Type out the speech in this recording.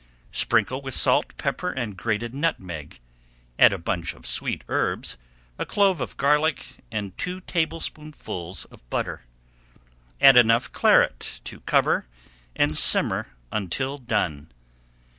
Sprinkle with salt, pepper, and grated nutmeg, add a bunch of sweet herbs, a clove of garlic and two tablespoonfuls of butter. Add enough Claret to cover and simmer until done.